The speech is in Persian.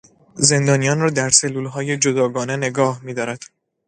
زندانیان را در سلولهای جداگانه نگاه میدارند.